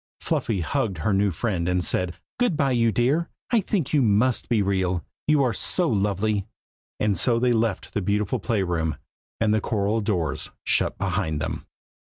Fluffy hugged her new friend and said "good bye, you dear! I think you must be real, you are so lovely!" and so they left the beautiful play room, and the coral doors shut behind them.